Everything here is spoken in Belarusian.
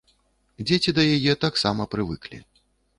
Дзеці да яе таксама прывыклі.